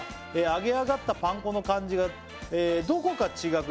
「揚げ上がったパン粉の感じがどこか違く」